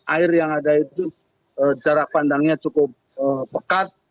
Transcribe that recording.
air yang ada itu jarak pandangnya cukup pekat